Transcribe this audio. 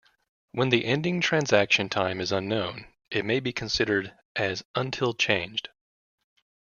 When the ending transaction time is unknown, it may be considered as "Until Changed".